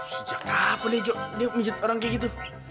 sejak kapan nih jok dia pijit orang kayak gitu